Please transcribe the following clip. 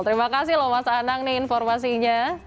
terima kasih loh mas anang nih informasinya